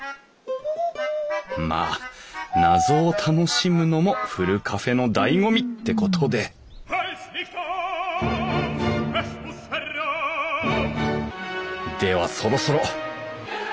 まあ謎を楽しむのもふるカフェのだいご味ってことでではそろそろ。